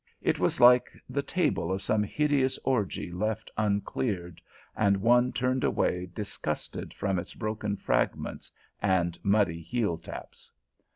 It was like the table of some hideous orgy left uncleared, and one turned away disgusted from its broken fragments and muddy heeltaps.